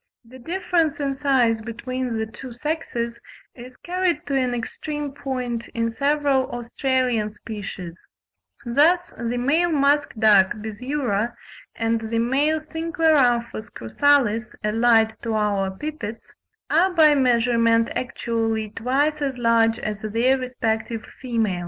The difference in size between the two sexes is carried to an extreme point in several Australian species; thus the male musk duck (Biziura), and the male Cincloramphus cruralis (allied to our pipits) are by measurement actually twice as large as their respective females.